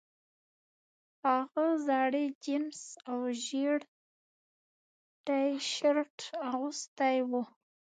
هغه زړې جینس او ژیړ ټي شرټ اغوستی و